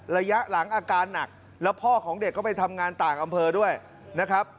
ระยะหลังอาการหนักแล้วพ่อของเด็กก็ไปทำงานต่างอำเภอด้วยนะครับ